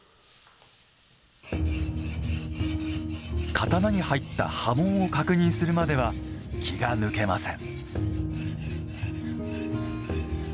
刀に入った刃文を確認するまでは気が抜けません。